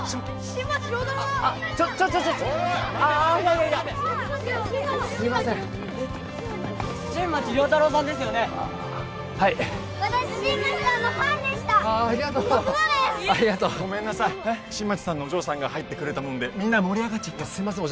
新町さんのお嬢さんが入ってくれたもんでみんな盛り上がっちゃってすいません